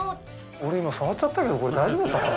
俺今触っちゃったけどこれ大丈夫だったかな？